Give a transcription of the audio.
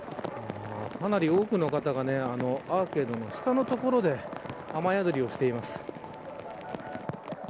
かなり多くの方がアーケードの下の所で雨宿りをしています。